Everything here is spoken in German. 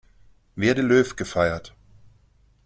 Weer De Leeuw" gefeiert.